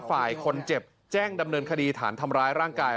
ฝ่ายคนเจ็บแจ้งดำเนินคดีฐานทำร้ายร่างกาย